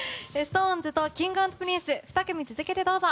ＳｉｘＴＯＮＥＳとＫｉｎｇ＆Ｐｒｉｎｃｅ２組続けてどうぞ。